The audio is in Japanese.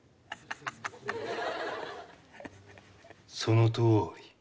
そのとおり。